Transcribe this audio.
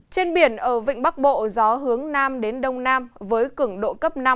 trên biển ở vịnh bắc bộ gió hướng nam đến đông nam với cứng độ cấp năm